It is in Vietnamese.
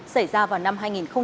xảy ra vào năm hai nghìn một mươi năm